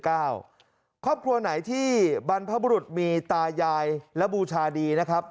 ครอบครัวไหนที่บรรพบุรุษมีตายายและบูชาดีนะครับ